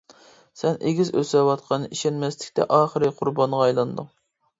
سەن ئېگىز ئۆسۈۋاتقان ئىشەنمەسلىكتە ئاخىرى قۇربانىغا ئايلاندىڭ.